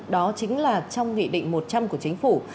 đó chính là trong nghị định một trăm linh của chính phủ